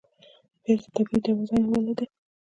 پیاز د طبعي دوا ځای نیولی دی